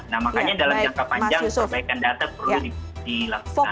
nah makanya dalam jangka panjang perbaikan data perlu dilakukan